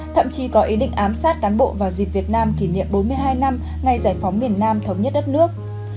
thậm chí có ý định ám sát cán bộ vào dịp việt nam kỷ niệm bốn mươi hai năm ngày giải phóng miền nam thống nhất đất nước